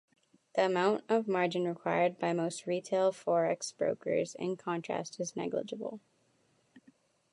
The amount of margin required by most retail forex brokers in contrast is negligible.